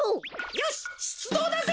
よししゅつどうだぜ！